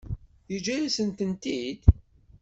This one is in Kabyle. Yeǧǧa-yas-tent-id?